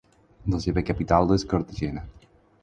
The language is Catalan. La seva capital és Cartagena.